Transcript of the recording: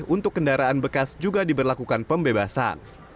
untuk kendaraan bekas juga diberlakukan pembebasan